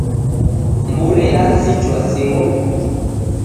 Mburi yasichwa singo putu